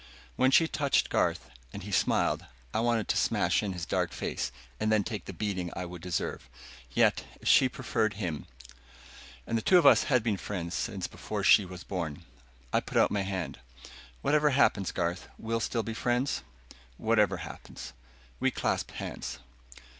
When she touched Garth, and he smiled, I wanted to smash in his dark face and then take the beating I would deserve. Yet, if she preferred him [TN 1]And the two of us had been friends before she was born. I put out my hand. "Whatever happens, Garth, we'll still be friends?" "Whatever happens." We clasped hands.